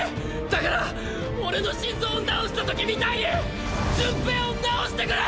だから俺の心臓を治したときみたいに順平を治してくれ！